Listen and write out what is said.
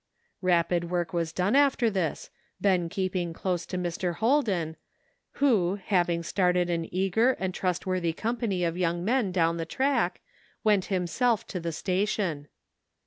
Rapid work was done after this, Ben keeping close to Mr. Holden, who, having started an eager and trustworthy company of young men down the track, went himself to the station.